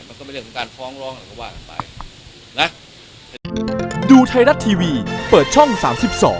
มันก็ไม่เรื่องของการฟ้องร้องหรอกว่ากันไปนะ